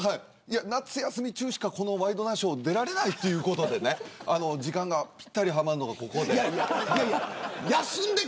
夏休み中しかワイドショー出られないってことで時間がぴったりはまるのがここで。